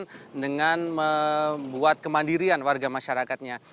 dan kemudian juga membuat kemandirian warga masyarakatnya